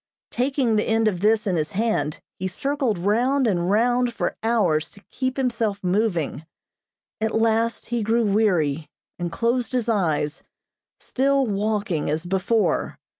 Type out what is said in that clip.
Taking the end of this in his hand, he circled round and round for hours to keep himself moving. At last he grew weary, and closed his eyes, still walking as before.